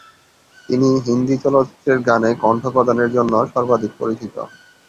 তিনি হিন্দি চলচ্চিত্রের গানে কণ্ঠ প্রদানের জন্য সর্বাধিক পরিচিত।